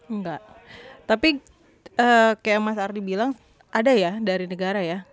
enggak tapi kayak mas ardi bilang ada ya dari negara ya